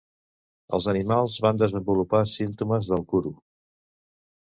Els animals van desenvolupar símptomes del kuru.